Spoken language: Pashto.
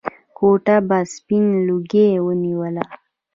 کوټه به سپين لوګي ونيوله.